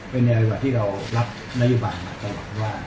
เป็นในอริกว่าที่เรารับนโยบังมาตลอดว่า